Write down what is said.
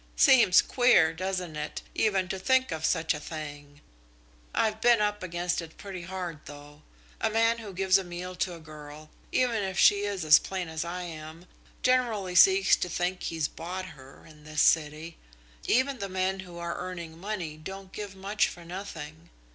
"Seems queer, doesn't it, even to think of such a thing! I've been up against it pretty hard, though. A man who gives a meal to a girl, even if she is as plain as I am, generally seems to think he's bought her, in this city. Even the men who are earning money don't give much for nothing.